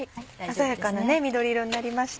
鮮やかな緑色になりました。